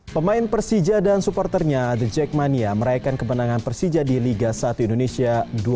pemain persija dan supporternya the jackmania meraihkan kemenangan persija di liga satu indonesia dua ribu dua puluh